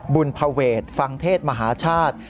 ภเวทฟังเทศมหาชาติ